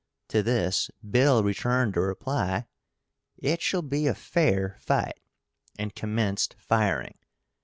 To this Bill returned the reply, "It shall be a fair fight," and commenced firing.